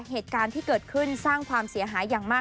เหตุการณ์ที่เกิดขึ้นสร้างความเสียหายอย่างมาก